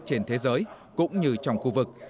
trên thế giới cũng như trong khu vực